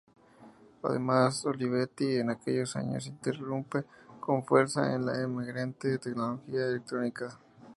Además Olivetti, en aquellos años, irrumpe con fuerza en la emergente tecnología electrónica.